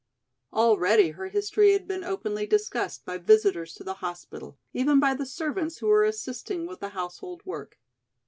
Already her history had been openly discussed by visitors to the hospital, even by the servants who were assisting with the household work.